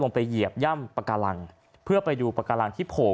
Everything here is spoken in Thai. ไปเหยียบย่ำปากาลังเพื่อไปดูปากการังที่โผล่